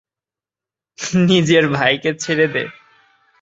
নিজের ভাইকে ছেড়ে দে।